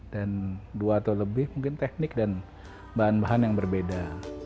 dua atau lebih mungkin teknik dan bahan bahan yang berbeda